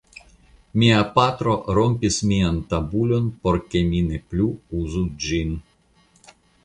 Mia patro rompis mian tabulon por ke mi ne plu uzu ĝin.